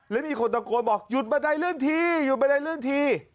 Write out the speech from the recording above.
แล้วมีคนตะโกนบอกหยุดบันไดเลื่อนทีหยุดบันไดเลื่อนที